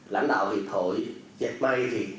lãnh đạo hiệp hội dẹp mây